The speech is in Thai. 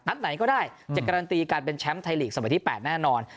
ไหนก็ได้จะการันตีการเป็นแชมป์ไทยลีกสมัยที่๘แน่นอน